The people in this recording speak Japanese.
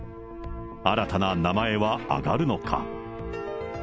新たな名前は挙がるのか。